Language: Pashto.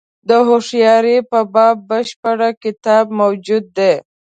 د هوښیاري په باب بشپړ کتاب موجود دی.